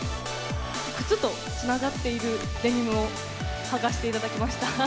靴とつながっているデニムをはかせていただきました。